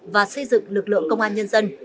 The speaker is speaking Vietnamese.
và xây dựng lực lượng công an nhân dân